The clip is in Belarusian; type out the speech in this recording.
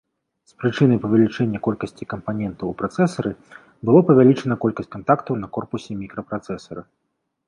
З прычыны павелічэння колькасці кампанентаў у працэсары, было павялічана колькасць кантактаў на корпусе мікрапрацэсара.